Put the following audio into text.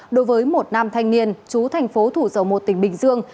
đối với một nam thanh niên chú thành phố thủ dầu một tỉnh bình dương